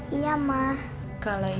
tidur sama mama sekarang ya